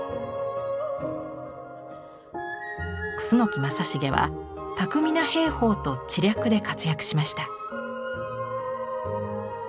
楠木正成は巧みな兵法と知略で活躍しました。